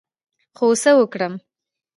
خو څه وکړم،